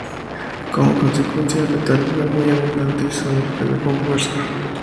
Como consecuencia, el metal fue muy abundante y su valor cayó con fuerza.